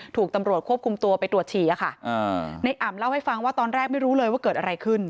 ถูกตำรวจควบคุมตัวไปตรวจฉี่อะค่ะในอ่ำเล่าให้ฟังว่าตอนแรกไม่รู้เลยว่าเกิดอะไรขึ้น